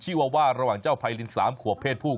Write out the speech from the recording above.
ว่าระหว่างเจ้าไพริน๓ขวบเพศผู้